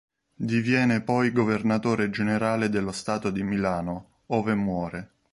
Diviene poi governatore generale dello stato di Milano, ove muore.